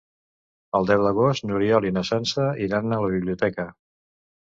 El deu d'agost n'Oriol i na Sança iran a la biblioteca.